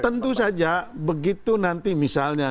tentu saja begitu nanti misalnya